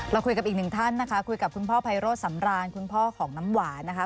เราคุยกับอีกหนึ่งท่านนะคะคุยกับคุณพ่อไพโรธสำรานคุณพ่อของน้ำหวานนะคะ